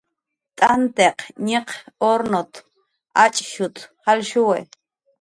"T'antiq ñiq urnut"" ach'shut"" jalshuwi"